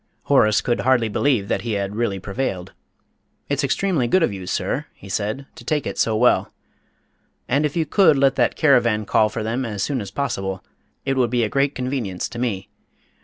'" Horace could hardly believe that he had really prevailed. "It's extremely good of you, sir," he said, "to take it so well. And if you could let that caravan call for them as soon as possible, it would be a great convenience to me.